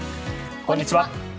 こんにちは。